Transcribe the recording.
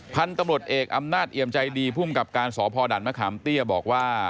พันธุ์ตำรวจเอกอำนาจเอี่ยมใจดีภูมิกับการสพด่านมะขามเตี้ยบอกว่า